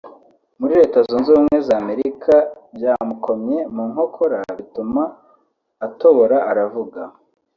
muri Leta Zunze Ubumwe za Amerika byamukomye mu nkokora bituma atobora aravuga